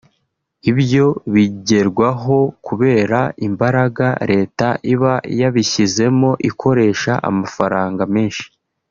Ibyo bigerwaho kubera imbaraga Leta iba yabishyizemo ikoresha amafaranga menshi